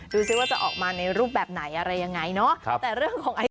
ซิว่าจะออกมาในรูปแบบไหนอะไรยังไงเนาะ